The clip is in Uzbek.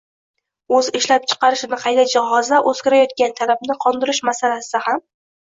o‘z ishlab chiqarishini qayta jihozlab, o‘zgarayotgan talabni qondirish masalasida ham.